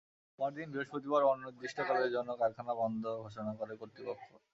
পরদিন বৃহস্পতিবার অনির্দিষ্টকালের জন্য কারখানা বন্ধ ঘোষণা করে কর্তৃপক্ষ।